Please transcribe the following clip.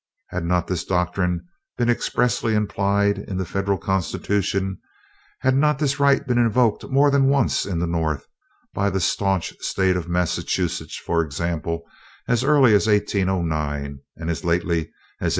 Had not this doctrine been expressly implied in the Federal Constitution? Had not this right been invoked more than once in the North by the staunch State of Massachusetts, for example, as early as 1809, and as lately as 1842?